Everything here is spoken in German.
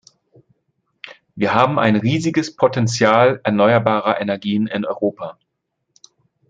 Wir haben ein riesiges Potenzial erneuerbarer Energien in Europa.